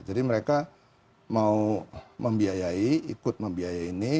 jadi mereka mau membiayai ikut membiayai ini